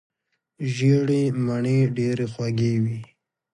ژېړې مڼې ډېرې خوږې وي.